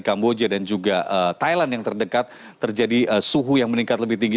kamboja dan juga thailand yang terdekat terjadi suhu yang meningkat lebih tinggi